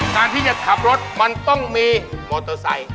การที่จะขับรถมันต้องมีมอเตอร์ไซค์